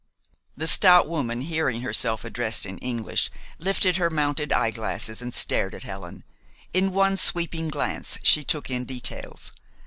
The stout woman, hearing herself addressed in English, lifted her mounted eyeglasses and stared at Helen. In one sweeping glance she took in details.